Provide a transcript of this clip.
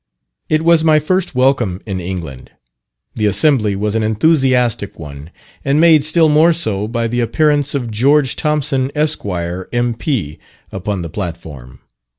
It was my first welcome in England. The assembly was an enthusiastic one, and made still more so by the appearance of George Thompson, Esq., M.P., upon the platform.